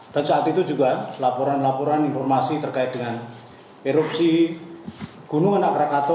dan saat itu juga laporan laporan informasi terkait dengan erupsi gunung anak rakato